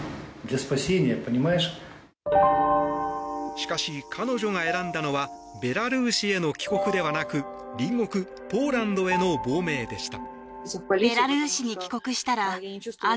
しかし、彼女が選んだのはベラルーシへの帰国ではなく隣国ポーランドへの亡命でした。